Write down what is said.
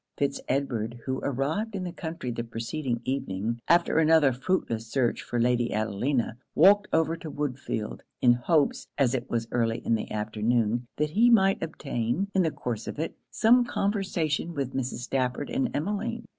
Fitz Edward, who arrived in the country the preceding evening, after another fruitless search for Lady Adelina, walked over to Woodfield, in hopes, as it was early in the afternoon, that he might obtain, in the course of it, some conversation with Mrs. Stafford and Emmeline.